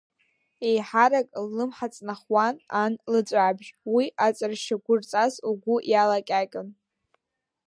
Еиҳарак ллымҳа ҵнахуан ан лыҵәаабжь, уи аҵаршьа гәырҵас лгәы иалакьакьон.